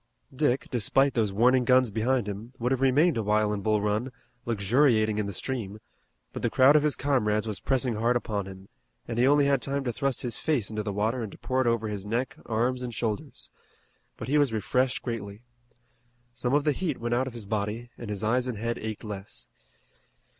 Dick, despite those warning guns behind him, would have remained a while in Bull Run, luxuriating in the stream, but the crowd of his comrades was pressing hard upon him, and he only had time to thrust his face into the water and to pour it over his neck, arms, and shoulders. But he was refreshed greatly. Some of the heat went out of his body, and his eyes and head ached less.